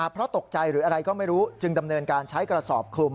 เพราะตกใจหรืออะไรก็ไม่รู้จึงดำเนินการใช้กระสอบคลุม